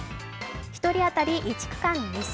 １人当たり１区間２０００円。